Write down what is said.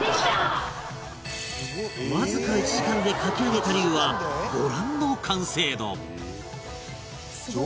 わずか１時間で描き上げた龍はご覧の完成度